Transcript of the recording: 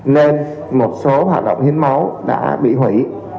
nên một số hoạt động hiến máu đã bị hủy